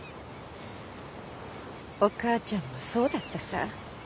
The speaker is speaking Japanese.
お母ちゃんもそうだったさぁ。